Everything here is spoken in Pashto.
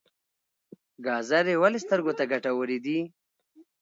ګازرې ولې سترګو ته ګټورې دي؟